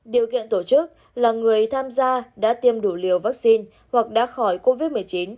điều kiện tổ chức là người tham gia đã tiêm đủ liều vaccine hoặc đã khỏi covid một mươi chín